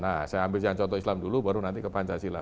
nah saya ambil yang contoh islam dulu baru nanti ke pancasila